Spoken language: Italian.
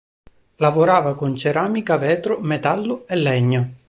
Lavorava con ceramica, vetro, metallo e legno.